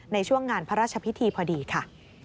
ในช่วงงานพระราชพิธีพอดีค่ะ